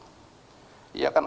seperti yang bapak sampaikan tadi